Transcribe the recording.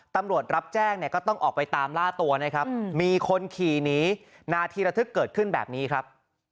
ตำรวจรับแจ้งเนี่ยก็ต้องออกไปตามล่าตัวนะครับมีคนขี่หนีนาทีระทึกเกิดขึ้นแบบนี้ครับ